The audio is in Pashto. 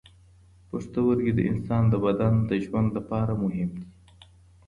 پښتورګي د انسان د بدن د ژوند لپاره مهم دي.